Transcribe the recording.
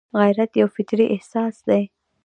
غیرت یو فطري احساس دی